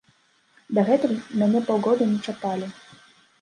Дагэтуль мяне паўгода не чапалі.